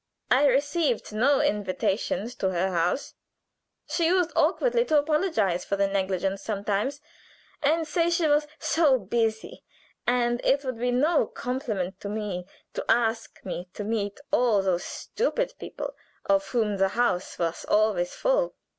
I received no invitations to her house. She used awkwardly to apologize for the negligence sometimes, and say she was so busy, and it would be no compliment to me to ask me to meet all those stupid people of whom the house was always full.